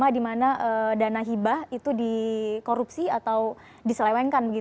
sama di mana dana hibah itu dikorupsi atau diselewenkan